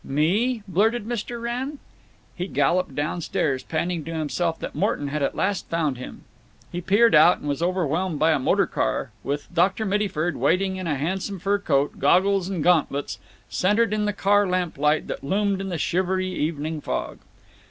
"Me?" blurted Mr. Wrenn. He galloped down stairs, panting to himself that Morton had at last found him. He peered out and was overwhelmed by a motor car, with Dr. Mittyford waiting in awesome fur coat, goggles, and gauntlets, centered in the car lamplight that loomed in the shivery evening fog.